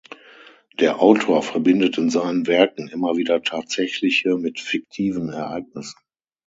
Der Autor verbindet in seinen Werken immer wieder tatsächliche mit fiktiven Ereignissen.